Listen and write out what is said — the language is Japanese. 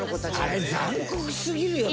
あれ残酷すぎるよね。